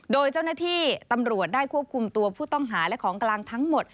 โดยเจ้าหน้าที่ตำรวจได้ควบคุมตัวผู้ต้องหาและของกลางทั้งหมด